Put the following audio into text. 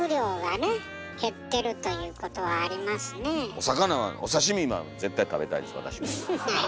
お魚はお刺身は絶対食べたいです私も。